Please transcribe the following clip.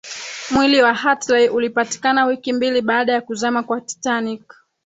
mwili wa hartley ulipatikana wiki mbili baada ya kuzama kwa titanic